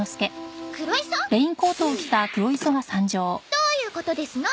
どういうことですの？